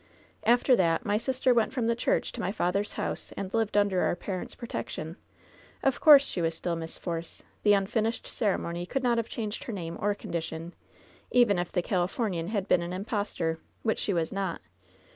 "After that my sister went from the church to my father's house, and lived under our parents' protection. Of course, she was still Miss Force. The unfinished ceremony could not have changed her name or condition, even if the Calif omian had been an impostor, which she was not.